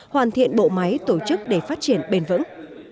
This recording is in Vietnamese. hoàn thiện bộ máy tổ chức để phát triển bền vững